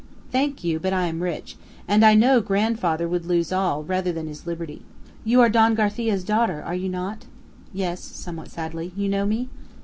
"Thank you, but I am rich; and I know grandfather would lose all, rather than his liberty. You are Don Garcia's daughter, are you not?" "Yes," somewhat sadly. "You know me?"